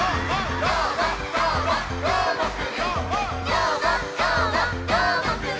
「どーもどーもどーもくん！」